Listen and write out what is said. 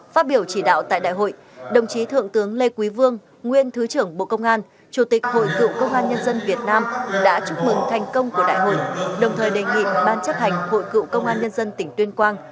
phát biểu chỉ đạo tại đại hội đồng chí thượng tướng lê quý vương nguyên thứ trưởng bộ công an chủ tịch hội cựu công an nhân dân việt nam đã chúc mừng thành công của đại hội đồng thời đề nghị ban chấp hành hội cựu công an nhân dân tỉnh tuyên quang